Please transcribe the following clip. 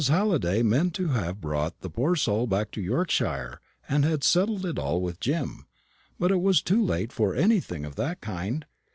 Halliday meant to have brought the poor soul back to Yorkshire, and had settled it all with Jim; but it was too late for anything of that kind.